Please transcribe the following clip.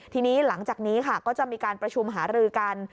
ทีนี้หลังจากนี้ค่ะก็จะมีการประชุมหารือกัน